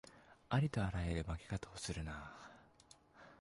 ありとあらゆる負け方をするなあ